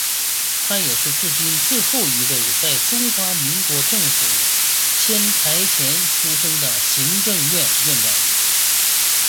他也是至今最后一位在中华民国政府迁台前出生的行政院院长。